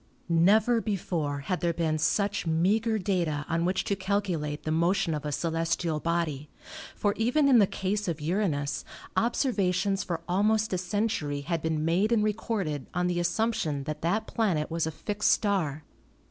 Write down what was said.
Never before had there been such meager data on which to calculate the motion of a celestial body, for even in the case of Uranus observations for almost a century had been made and recorded on the assumption that that planet was a fixed star.